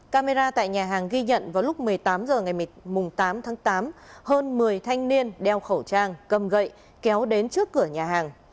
camera tại nhà hàng ghi nhận vào lúc một mươi tám h ngày tám tháng tám hơn một mươi thanh niên đeo khẩu trang cầm gậy kéo đến trước cửa nhà hàng